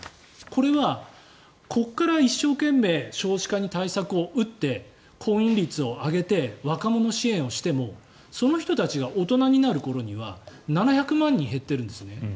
これはここから一生懸命少子化に対策を打って婚姻率を上げて若者支援をしてもその人たちが大人になる頃には７００万人減ってるんです。